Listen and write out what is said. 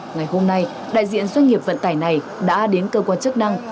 ngày hôm nay đại diện doanh nghiệp vận tải này đã đến cơ quan chức năng